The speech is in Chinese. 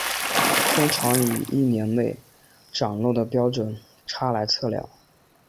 通常以一年内涨落的标准差来测量。